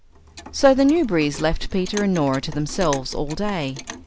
So the Newberrys left Peter and Norah to themselves all day.